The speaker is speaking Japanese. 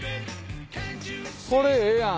これええやん。